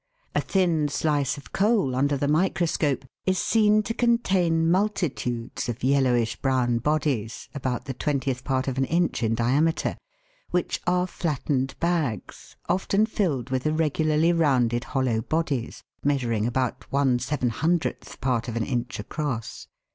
A thin slice of coal under the microscope is seen to contain multitudes of yellowish brown bodies, about the twentieth part of an inch in diameter, which are flattened bags, often filled with irregularly rounded hollow bodies, measuring about one seven hundredth part of an inch across.